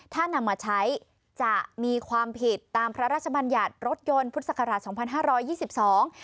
ถ้านำมาใช้จะมีความผิดตามพระราชบัญญัติรถยนต์พุทธศักราชสองพันห้าร้อยยี่สิบสอง